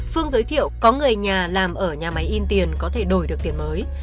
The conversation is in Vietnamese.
phương giới thiệu có người nhà làm ở nhà máy in tiền có thể đổi được tiền mới